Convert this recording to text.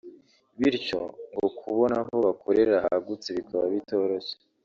bityo ngo kubona aho bakorera hagutse bikaba bitoroshye